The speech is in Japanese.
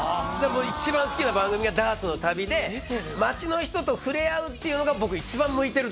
一番好きな番組が「ダーツの旅」で町の人と触れ合うっていうのが僕一番向いてると思うんです。